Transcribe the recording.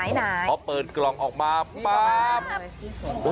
เถอะเพราะเปิดกล่องออกมาปับ